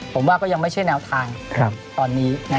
ผมว่าก็ยังไม่ใช่แนวทางตอนนี้